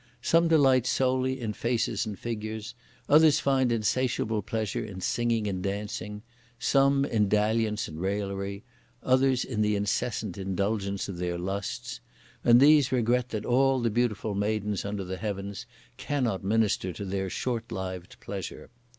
Some delight solely in faces and figures; others find insatiable pleasure in singing and dancing; some in dalliance and raillery; others in the incessant indulgence of their lusts; and these regret that all the beautiful maidens under the heavens cannot minister to their short lived pleasure.